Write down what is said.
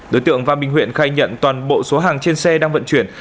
đối tượng va minh huyện khai nhận toàn bộ số hàng trên xe đang vận chuyển